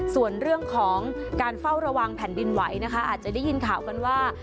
ส่วนเรื่องของการเฝ้าระวังแผ่นดินไหวนะคะอาจจะได้ยินข่าวกันว่า